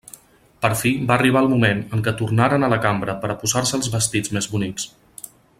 Per fi va arribar el moment en què tornaren a la cambra per a posar-se els vestits més bonics.